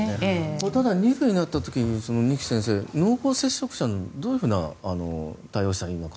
ただ２類になった時に二木先生、濃厚接触者はどういうふうな対応をしたらいいのか。